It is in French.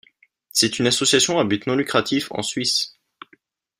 C'est une association à but non lucratif en Suisse.